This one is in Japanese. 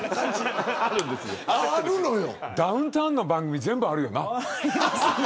ダウンタウンの番組全部あるよな。